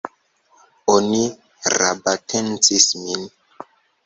Oni rabatencis min!